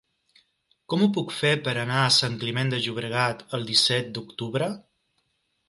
Com ho puc fer per anar a Sant Climent de Llobregat el disset d'octubre?